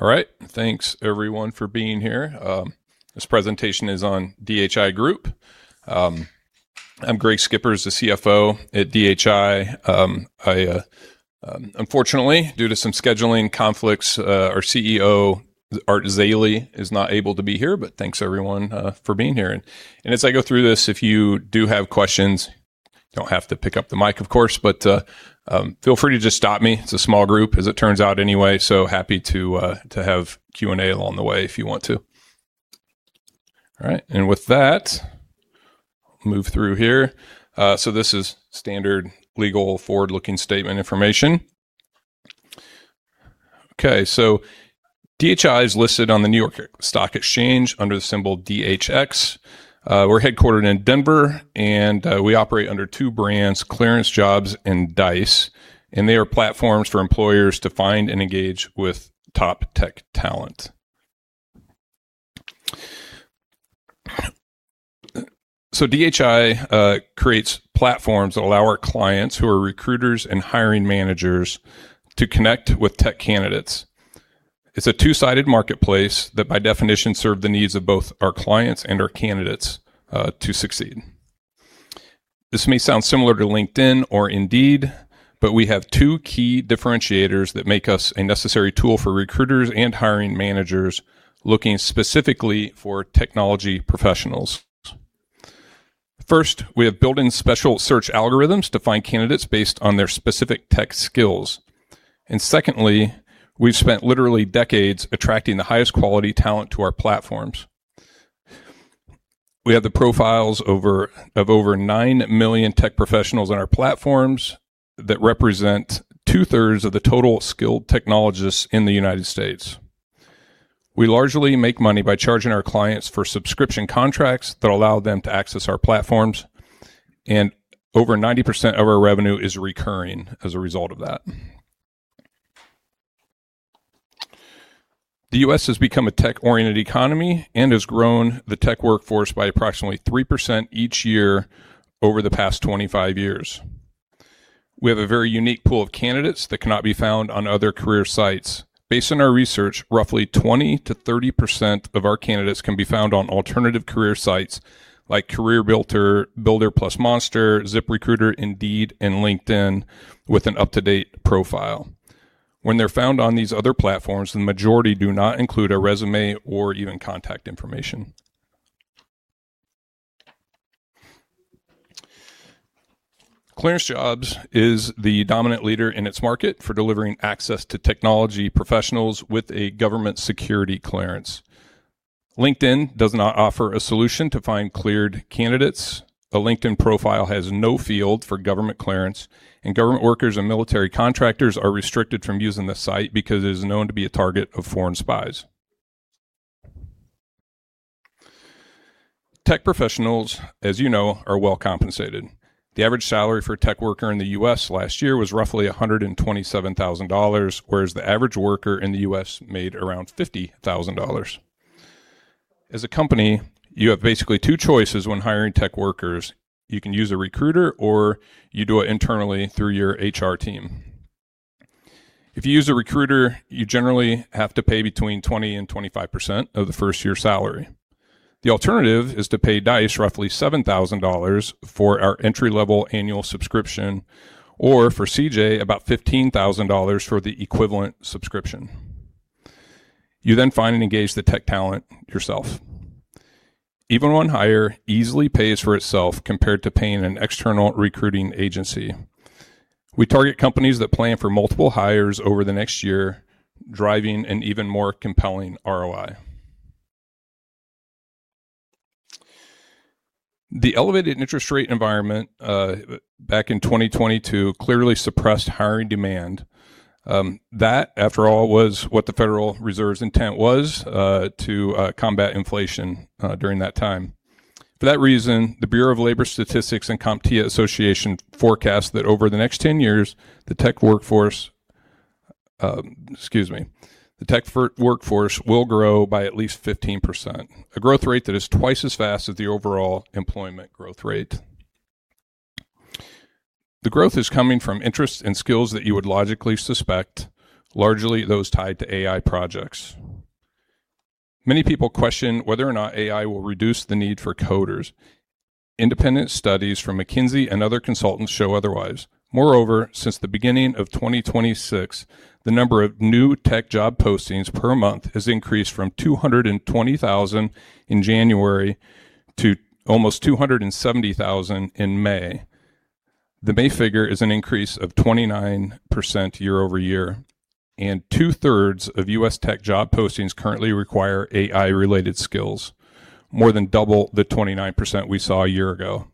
All right. Thanks everyone for being here. This presentation is on DHI Group. I'm Greg Schippers, the CFO at DHI. Unfortunately, due to some scheduling conflicts, our CEO, Art Zeile, is not able to be here, but thanks everyone for being here. As I go through this, if you do have questions, you don't have to pick up the mic, of course, but feel free to just stop me. It's a small group, as it turns out anyway, so happy to have Q&A along the way if you want to. All right. With that, move through here. This is standard legal forward-looking statement information. Okay so DHI is listed on the New York Stock Exchange under the symbol DHX. We're headquartered in Denver, and we operate under two brands, ClearanceJobs and Dice, and they are platforms for employers to find and engage with top tech talent. DHI creates platforms that allow our clients, who are recruiters and hiring managers, to connect with tech candidates. It's a two-sided marketplace that by definition serve the needs of both our clients and our candidates to succeed. This may sound similar to LinkedIn or Indeed, but we have two key differentiators that make us a necessary tool for recruiters and hiring managers looking specifically for technology professionals. First, we have built-in special search algorithms to find candidates based on their specific tech skills. Secondly, we've spent literally decades attracting the highest quality talent to our platforms. We have the profiles of over nine million tech professionals on our platforms that represent two-thirds of the total skilled technologists in the United States. We largely make money by charging our clients for subscription contracts that allow them to access our platforms. Over 90% of our revenue is recurring as a result of that. The U.S. has become a tech-oriented economy and has grown the tech workforce by approximately 3% each year over the past 25 years. We have a very unique pool of candidates that cannot be found on other career sites. Based on our research, roughly 20%-30% of our candidates can be found on alternative career sites like CareerBuilder, Builder + Monster, ZipRecruiter, Indeed, and LinkedIn with an up-to-date profile. When they're found on these other platforms, the majority do not include a resume or even contact information. ClearanceJobs is the dominant leader in its market for delivering access to technology professionals with a government security clearance. LinkedIn does not offer a solution to find cleared candidates. A LinkedIn profile has no field for government clearance. Government workers and military contractors are restricted from using the site because it is known to be a target of foreign spies. Tech professionals, as you know, are well compensated. The average salary for a tech worker in the U.S. last year was roughly $127,000, whereas the average worker in the U.S. made around $50,000. As a company, you have basically two choices when hiring tech workers. You can use a recruiter, or you do it internally through your HR team. If you use a recruiter, you generally have to pay between 20%-25% of the first year's salary. The alternative is to pay Dice roughly $7,000 for our entry-level annual subscription, or for CJ, about $15,000 for the equivalent subscription. You find and engage the tech talent yourself. Even one hire easily pays for itself compared to paying an external recruiting agency. We target companies that plan for multiple hires over the next year, driving an even more compelling ROI. The elevated interest rate environment back in 2022 clearly suppressed hiring demand. That, after all, was what the Federal Reserve's intent was to combat inflation during that time. For that reason, the Bureau of Labor Statistics and CompTIA association forecast that over the next 10 years, the tech workforce will grow by at least 15%, a growth rate that is twice as fast as the overall employment growth rate. The growth is coming from interest and skills that you would logically suspect, largely those tied to AI projects. Many people question whether or not AI will reduce the need for coders. Independent studies from McKinsey and other consultants show otherwise. Since the beginning of 2026, the number of new tech job postings per month has increased from 220,000 in January to almost 270,000 in May. The May figure is an increase of 29% year-over-year, and two-thirds of U.S. tech job postings currently require AI-related skills, more than double the 29% we saw a year ago.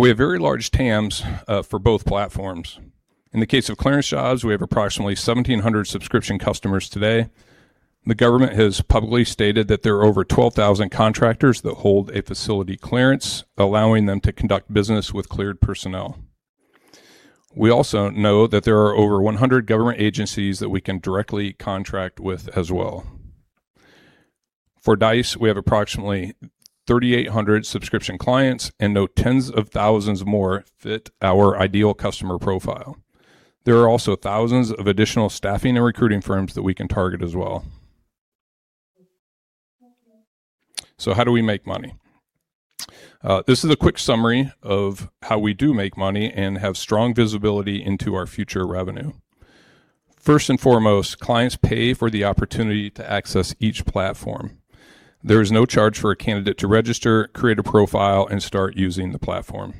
We have very large TAMs for both platforms. In the case of ClearanceJobs, we have approximately 1,700 subscription customers today. The government has publicly stated that there are over 12,000 contractors that hold a facility clearance, allowing them to conduct business with cleared personnel. We also know that there are over 100 government agencies that we can directly contract with as well For Dice, we have approximately 3,800 subscription clients and know tens of thousands more fit our ideal customer profile. There are also thousands of additional staffing and recruiting firms that we can target as well. How do we make money? This is a quick summary of how we do make money and have strong visibility into our future revenue. First and foremost, clients pay for the opportunity to access each platform. There is no charge for a candidate to register, create a profile, and start using the platform.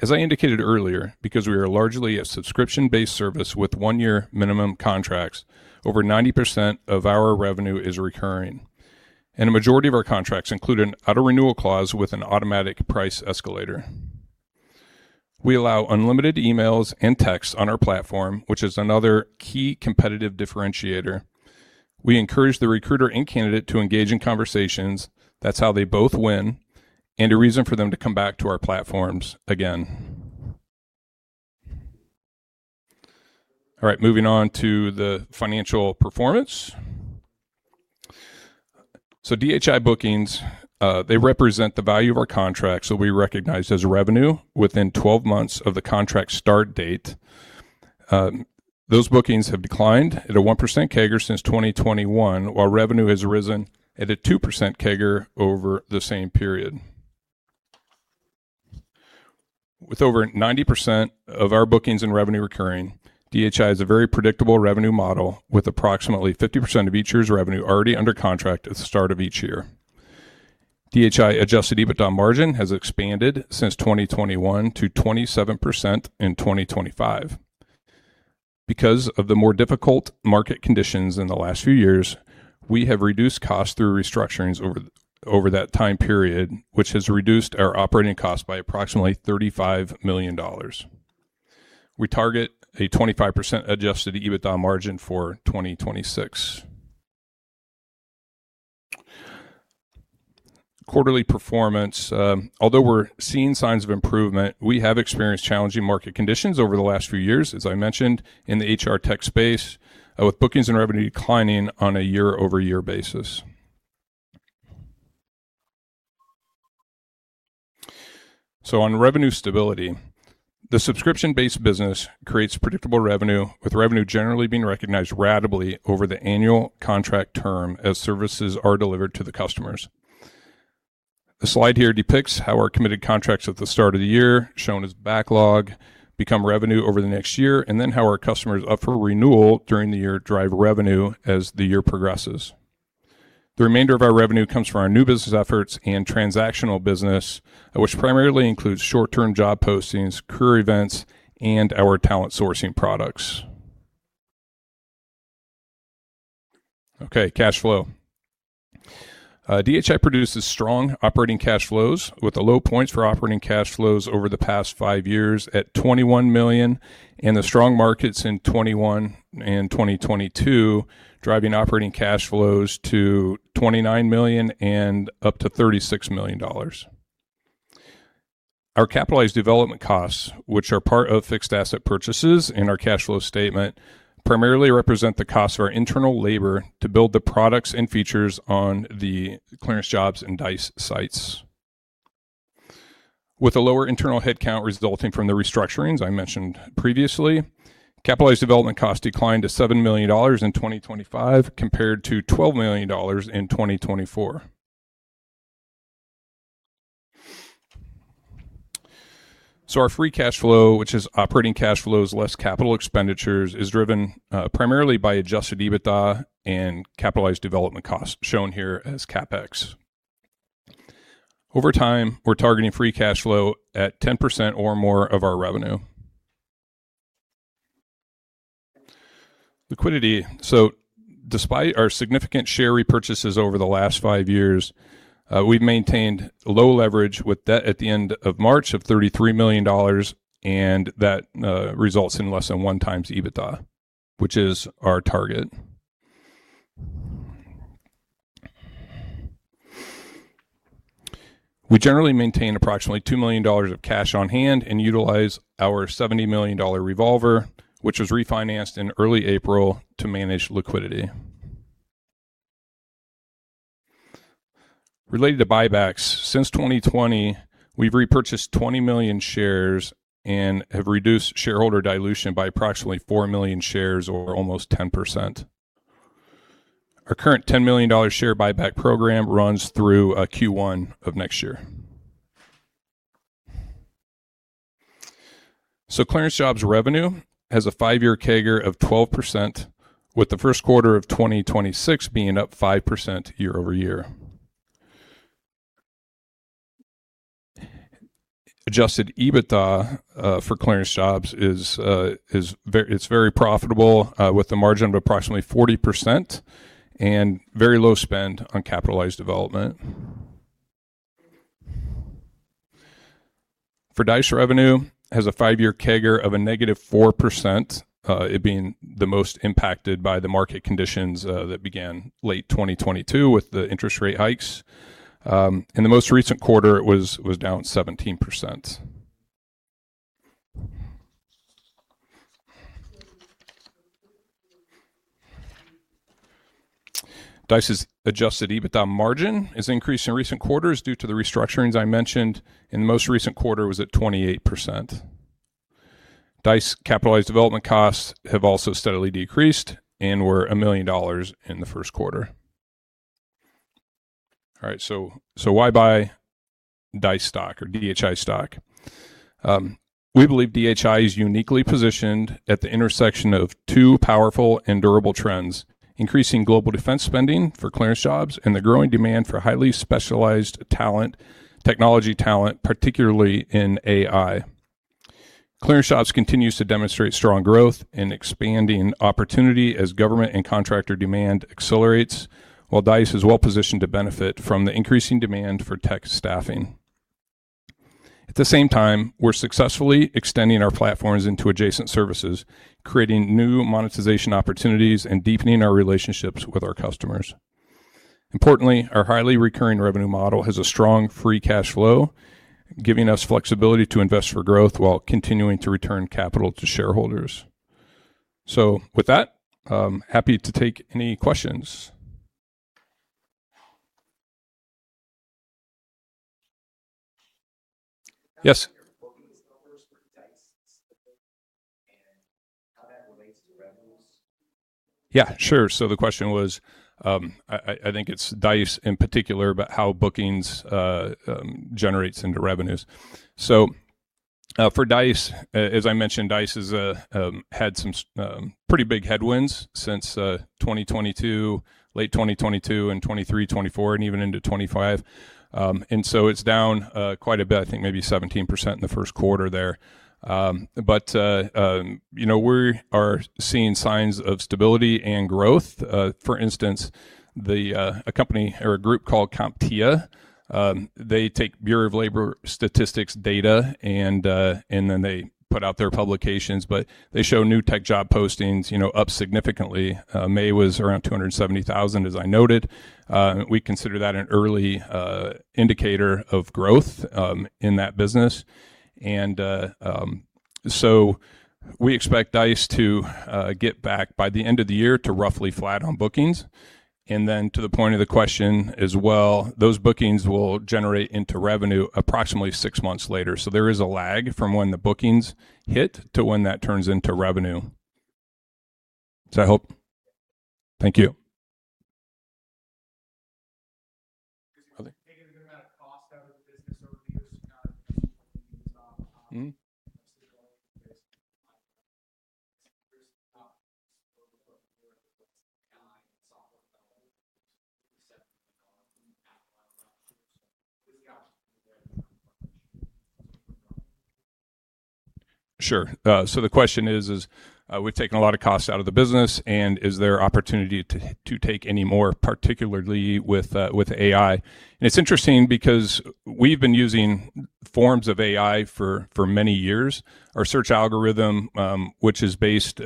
As I indicated earlier, because we are largely a subscription-based service with one-year minimum contracts, over 90% of our revenue is recurring, and a majority of our contracts include an auto-renewal clause with an automatic price escalator. We allow unlimited emails and texts on our platform, which is another key competitive differentiator. We encourage the recruiter and candidate to engage in conversations. That's how they both win and a reason for them to come back to our platforms again. All right, moving on to the financial performance. DHI bookings, they represent the value of our contracts that we recognize as revenue within 12 months of the contract start date. Those bookings have declined at a 1% CAGR since 2021, while revenue has risen at a 2% CAGR over the same period. With over 90% of our bookings and revenue recurring, DHI is a very predictable revenue model, with approximately 50% of each year's revenue already under contract at the start of each year. DHI adjusted EBITDA margin has expanded since 2021 to 27% in 2025. Because of the more difficult market conditions in the last few years, we have reduced costs through restructurings over that time period, which has reduced our operating cost by approximately $35 million. We target a 25% adjusted EBITDA margin for 2026. Quarterly performance. Although we're seeing signs of improvement, we have experienced challenging market conditions over the last few years, as I mentioned, in the HR tech space, with bookings and revenue declining on a year-over-year basis. On revenue stability, the subscription-based business creates predictable revenue, with revenue generally being recognized ratably over the annual contract term as services are delivered to the customers. The slide here depicts how our committed contracts at the start of the year, shown as backlog, become revenue over the next year, and then how our customers up for renewal during the year drive revenue as the year progresses. The remainder of our revenue comes from our new business efforts and transactional business, which primarily includes short-term job postings, career events, and our talent sourcing products. Okay, cash flow. DHI produces strong operating cash flows, with the low points for operating cash flows over the past five years at $21 million and the strong markets in 2021 and 2022 driving operating cash flows to $29 million and up to $36 million. Our capitalized development costs, which are part of fixed asset purchases in our cash flow statement, primarily represent the cost of our internal labor to build the products and features on the ClearanceJobs and Dice sites. With a lower internal headcount resulting from the restructurings I mentioned previously, capitalized development cost declined to $7 million in 2025 compared to $12 million in 2024. Our free cash flow, which is operating cash flows less capital expenditures, is driven primarily by adjusted EBITDA and capitalized development costs, shown here as CapEx. Over time, we're targeting free cash flow at 10% or more of our revenue. Liquidity. So despite our significant share repurchases over the last five years, we've maintained low leverage with debt at the end of March of $33 million, and that results in less than one times EBITDA, which is our target. We generally maintain approximately $2 million of cash on hand and utilize our $70 million revolver, which was refinanced in early April to manage liquidity. Related to buybacks, since 2020, we've repurchased 20 million shares and have reduced shareholder dilution by approximately 4 million shares or almost 10%. Our current $10 million share buyback program runs through Q1 of next year. ClearanceJobs revenue has a five-year CAGR of 12%, with the first quarter of 2026 being up 5% year-over-year. Adjusted EBITDA for ClearanceJobs is very profitable, with a margin of approximately 40% and very low spend on capitalized development. For Dice revenue, has a five-year CAGR of a -4%, it being the most impacted by the market conditions that began late 2022 with the interest rate hikes. In the most recent quarter, it was down 17%. Dice's adjusted EBITDA margin has increased in recent quarters due to the restructurings I mentioned, and the most recent quarter was at 28%. Dice capitalized development costs have also steadily decreased and were $1 million in the first quarter. All right. Why buy Dice stock or DHI stock? We believe DHI is uniquely positioned at the intersection of two powerful and durable trends, increasing global defense spending for ClearanceJobs and the growing demand for highly specialized talent, technology talent, particularly in AI. ClearanceJobs continues to demonstrate strong growth and expanding opportunity as government and contractor demand accelerates, while Dice is well-positioned to benefit from the increasing demand for tech staffing. At the same time, we're successfully extending our platforms into adjacent services, creating new monetization opportunities and deepening our relationships with our customers. Importantly, our highly recurring revenue model has a strong free cash flow, giving us flexibility to invest for growth while continuing to return capital to shareholders. With that, I'm happy to take any questions. Yes. Yeah, sure. The question was, I think it's Dice in particular, but how bookings generates into revenues. For Dice, as I mentioned, Dice has had some pretty big headwinds since 2022, late 2022 and 2023, 2024, and even into 2025. It's down quite a bit, I think maybe 17% in the first quarter there. We are seeing signs of stability and growth. For instance, a group called CompTIA, they take Bureau of Labor Statistics data and then they put out their publications, they show new tech job postings up significantly. May was around 270,000, as I noted. We consider that an early indicator of growth in that business. We expect Dice to get back by the end of the year to roughly flat on bookings. To the point of the question as well, those bookings will generate into revenue approximately six months later. There is a lag from when the bookings hit to when that turns into revenue. Thank you. You've taken a good amount of cost out of the business over the years. Mm-hmm. Sure. The question is, we've taken a lot of costs out of the business, is there opportunity to take any more, particularly with AI? It's interesting because we've been using forms of AI for many years. Our search algorithm, which is based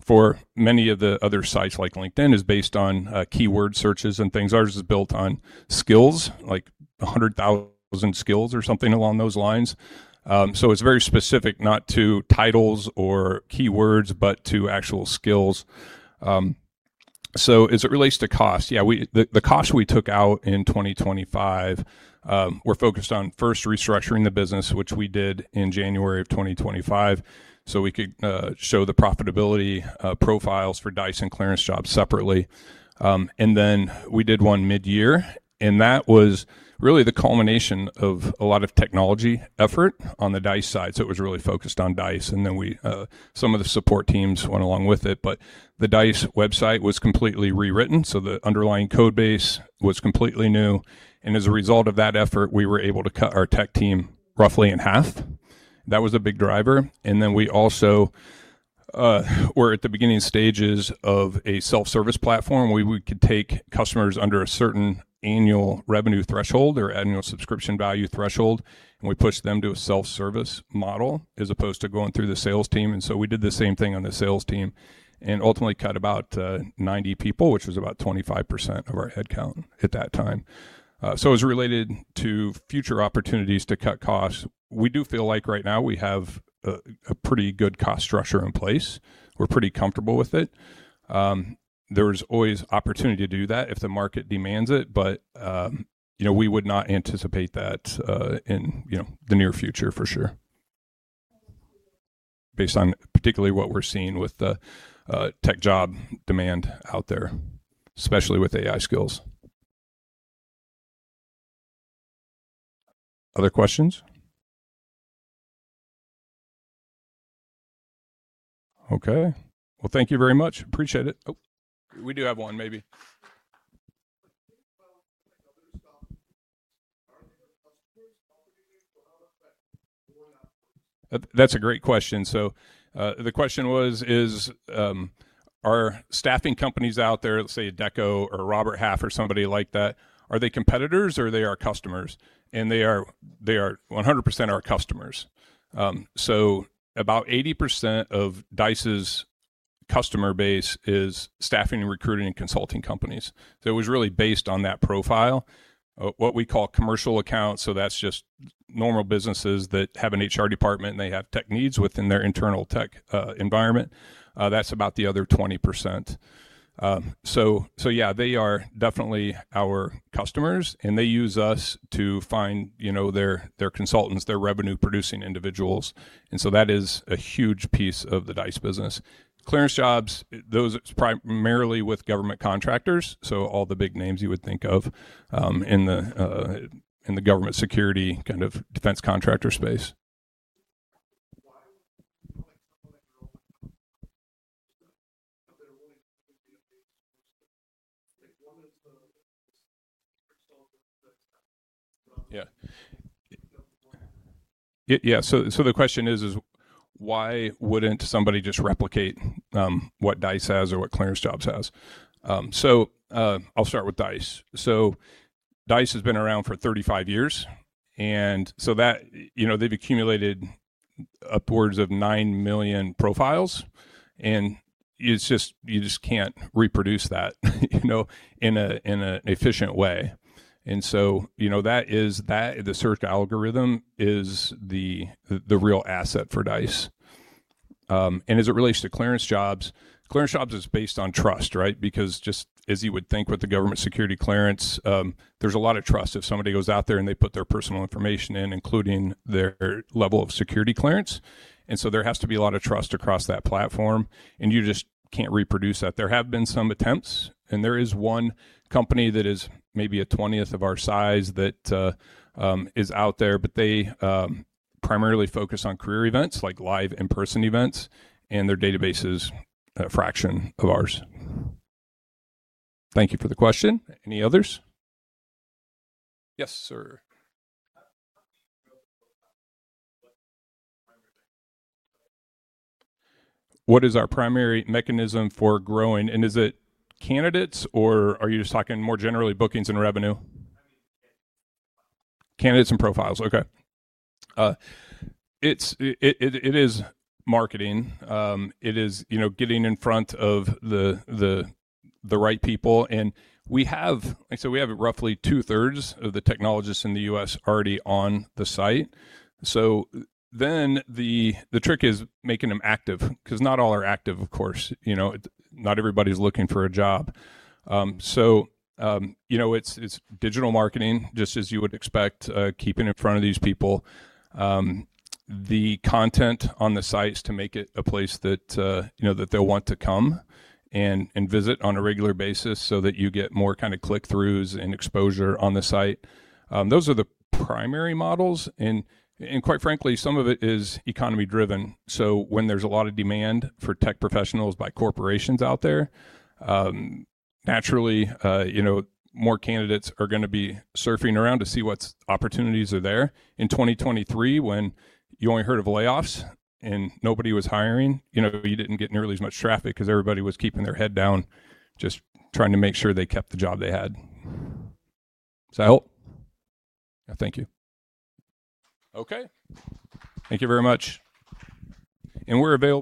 for many of the other sites like LinkedIn, is based on keyword searches and things. Ours is built on skills, like 100,000 skills or something along those lines. It's very specific, not to titles or keywords, but to actual skills. As it relates to cost, yeah, the cost we took out in 2025, we're focused on first restructuring the business, which we did in January of 2025, so we could show the profitability profiles for Dice and ClearanceJobs separately. We did one mid-year, and that was really the culmination of a lot of technology effort on the Dice side. It was really focused on Dice. Some of the support teams went along with it, but the Dice website was completely rewritten, so the underlying code base was completely new. As a result of that effort, we were able to cut our tech team roughly in half. That was a big driver. We also were at the beginning stages of a self-service platform where we could take customers under a certain annual revenue threshold or annual subscription value threshold, and we pushed them to a self-service model as opposed to going through the sales team. We did the same thing on the sales team and ultimately cut about 90 people, which was about 25% of our headcount at that time. As it related to future opportunities to cut costs, we do feel like right now we have a pretty good cost structure in place. We're pretty comfortable with it. There's always opportunity to do that if the market demands it. We would not anticipate that in the near future for sure. Based on particularly what we're seeing with the tech job demand out there, especially with AI skills. Other questions? Okay. Well, thank you very much. Appreciate it. Oh, we do have one maybe. Think about other staff. Are they your customers? How would you rate. That's a great question. The question was are staffing companies out there, let's say Adecco or Robert Half or somebody like that, are they competitors or are they our customers? They are 100% our customers. About 80% of Dice's customer base is staffing and recruiting and consulting companies. It was really based on that profile, what we call commercial accounts, that's just normal businesses that have an HR department and they have tech needs within their internal tech environment. That's about the other 20%. Yeah, they are definitely our customers, and they use us to find their consultants, their revenue-producing individuals, and that is a huge piece of the Dice business. ClearanceJobs, those are primarily with government contractors, all the big names you would think of in the government security kind of defense contractor space. The question is why wouldn't somebody just replicate what Dice has or what ClearanceJobs has? I'll start with Dice. Dice has been around for 35 years, they've accumulated upwards of nine million profiles, and you just can't reproduce that in an efficient way. The search algorithm is the real asset for Dice. As it relates to ClearanceJobs is based on trust, right? Because just as you would think with the government security clearance, there's a lot of trust if somebody goes out there and they put their personal information in, including their level of security clearance. There has to be a lot of trust across that platform, and you just can't reproduce that. There have been some attempts, there is one company that is maybe a 20th of our size that is out there, they primarily focus on career events, like live in-person events, their database is a fraction of ours. Thank you for the question. Any others? Yes, sir. What is our primary mechanism for growing, is it candidates, or are you just talking more generally bookings and revenue? candidates and profiles. Okay. It is marketing. It is getting in front of the right people, we have roughly two-thirds of the technologists in the U.S. already on the site. The trick is making them active because not all are active, of course. Not everybody's looking for a job. It's digital marketing, just as you would expect, keeping in front of these people, the content on the sites to make it a place that they'll want to come and visit on a regular basis so that you get more kind of click-throughs and exposure on the site. Those are the primary models, and quite frankly, some of it is economy-driven. When there's a lot of demand for tech professionals by corporations out there, naturally, more candidates are going to be surfing around to see what opportunities are there. In 2023, when you only heard of layoffs and nobody was hiring, you didn't get nearly as much traffic because everybody was keeping their head down, just trying to make sure they kept the job they had. Does that help? Thank you. Okay. Thank you very much. We're available